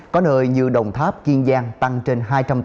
có nơi như đồng tháp kiên giang tăng trên hai trăm tám mươi